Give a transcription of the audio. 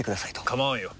構わんよ。